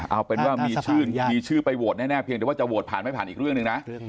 เอาเป็นว่ามีชื่อมีชื่อไปโหวตแน่เพียงแต่ว่าจะโหวตผ่านไม่ผ่านอีกเรื่องหนึ่งนะ